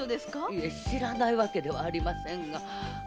いえ知らないわけではありませんが。